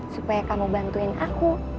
supaya kamu bantuin aku